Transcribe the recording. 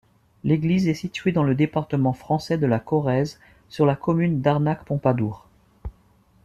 L'église est située dans le département français de la Corrèze, sur la commune d'Arnac-Pompadour.